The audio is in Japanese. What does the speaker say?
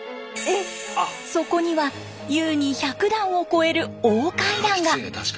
そこには優に１００段を超える大階段が！